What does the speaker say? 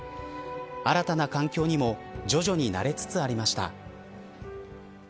新たな環境にも徐々に慣れつつありました。